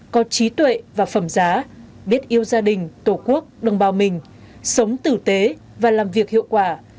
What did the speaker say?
có trí tuệ và phẩm giá biết yêu gia đình tổ quốc đồng bào mình sống tử tế và làm việc hiệu quả